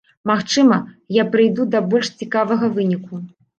Магчыма, я прыйду да больш цікавага выніку.